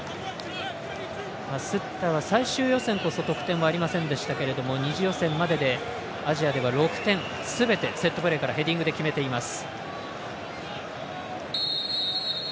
スッターは最終予選こそ得点はありませんでしたけど２次予選までではアジアでは６点すべてセットプレーからヘディングで決めています。